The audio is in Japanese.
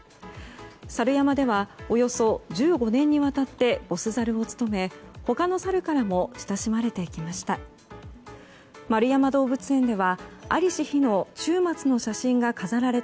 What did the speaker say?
サル山ではおよそ１５年にわたってボスザルを務め他のサルからも親しまれていきました。